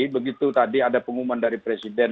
begitu tadi ada pengumuman dari presiden